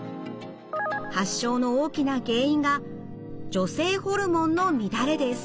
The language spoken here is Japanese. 発症の大きな原因が女性ホルモンの乱れです。